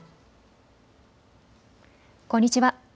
こんにちは。